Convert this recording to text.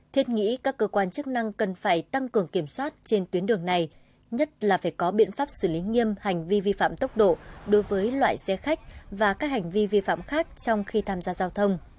thiết nghĩ các cơ quan chức năng cần phải tăng cường kiểm soát trên tuyến đường này nhất là phải có biện pháp xử lý nghiêm hành vi vi phạm tốc độ đối với loại xe khách và các hành vi vi phạm khác trong khi tham gia giao thông